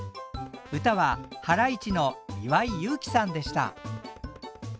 歌はハライチの岩井勇気さんでした。